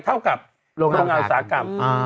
เท่ากับโรงงานอุตสาหกรรม